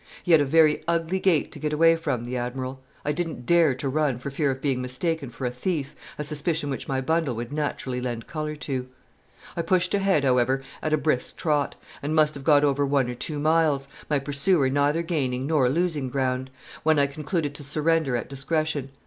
He had a very ugly gait to get away from, the Admiral. I didn't dare to run, for fear of being mistaken for a thief, a suspicion which my bundle would naturally lend color to. I pushed ahead, however, at a brisk trot, and must have got over one or two miles my pursuer neither gaining nor losing ground when I concluded to surrender at discretion.